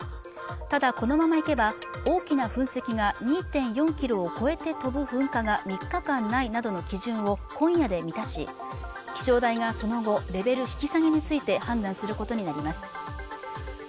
ただこのままいけば大きな噴石が２．４ｋｍを超えて飛ぶ噴火が３日間ないなどの基準を今夜で満たし気象台がその後レベル引き下げについて判断することになります